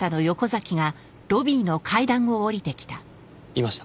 いました。